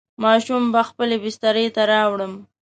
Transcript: ماشوم به خپلې بسترې ته راوړم.